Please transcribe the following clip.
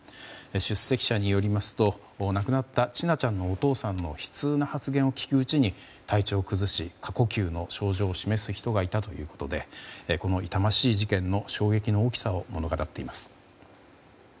出席者によりますと亡くなった千奈ちゃんのお父さんの悲痛な発言を聞くうちに体調を崩し、過呼吸の症状を示す人がいたということでこの痛ましい事件の衝撃の大きさを物語っています。